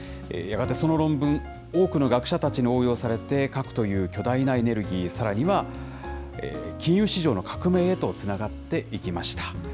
やがてその論文、多くの学者たちに応用されて、核という巨大なエネルギー、さらには金融市場の革命へとつながっていきました。